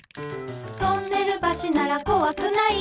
「トンネル橋ならこわくない」